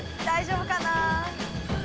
大丈夫かな？